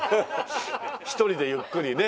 一人でゆっくりね。